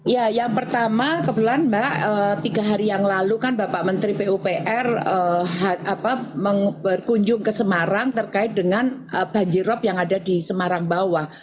ya yang pertama kebetulan mbak tiga hari yang lalu kan bapak menteri pupr berkunjung ke semarang terkait dengan banjir rob yang ada di semarang bawah